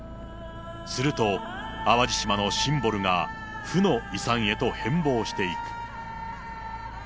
すると、淡路島のシンボルが負の遺産へと変貌していく。